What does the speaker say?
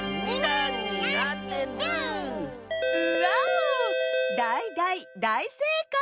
ウォウだいだいだいせいかい！